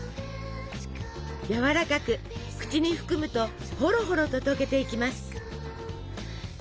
やわらかく口に含むとホロホロと溶けていきます！